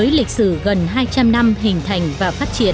lịch sử gần hai trăm linh năm hình thành và phát triển